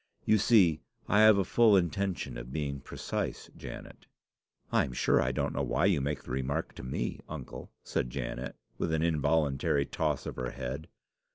You see I have a full intention of being precise, Janet." "I'm sure I don't know why you make the remark to me, uncle," said Janet, with an involuntary toss of her head.